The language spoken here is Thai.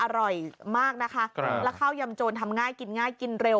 อร่อยมากนะคะแล้วข้าวยำโจรทำง่ายกินง่ายกินเร็ว